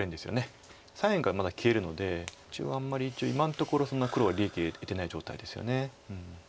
左辺がまだ消えるので一応あんまり今のところそんなに利益を得てない状態ですよね。